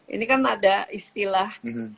ini kan ada istilah